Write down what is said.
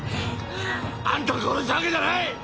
あんたが殺したわけじゃない！